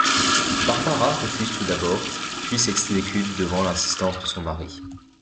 Barbara refuse tout d’abord, puis s’exécute devant l’insistance de son mari.